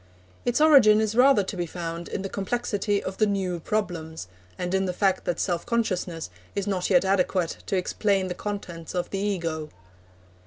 Its origin is rather to be found in the complexity of the new problems, and in the fact that self consciousness is not yet adequate to explain the contents of the Ego.